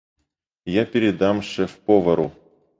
Я передам шеф-повару.